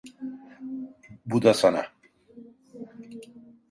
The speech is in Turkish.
Bu da sana.